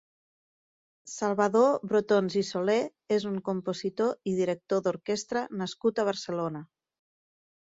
Salvador Brotons i Soler és un compositor i director d'orquestra nascut a Barcelona.